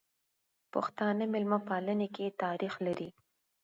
پښتانه ميلمه پالنې کی تاریخ لري.